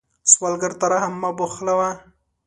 سوالګر ته رحم مه بخلوه